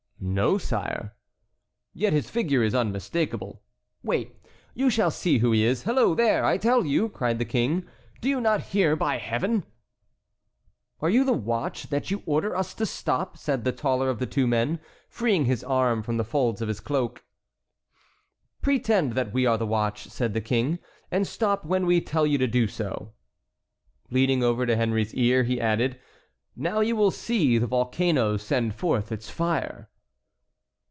"No, sire." "Yet his figure is unmistakable. Wait, you shall see who he is—hello, there! I tell you," cried the King, "do you not hear, by Heaven?" "Are you the watch, that you order us to stop?" said the taller of the two men, freeing his arm from the folds of his cloak. "Pretend that we are the watch," said the King, "and stop when we tell you to do so." Leaning over to Henry's ear, he added: "Now you will see the volcano send forth its fire."